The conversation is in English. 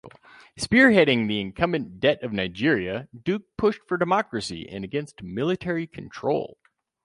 Spearheading the incumbent debt of Nigeria, Duke pushed for democracy and against military control.